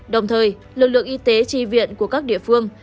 đồng thời lực lượng y tế tri viện của các địa phương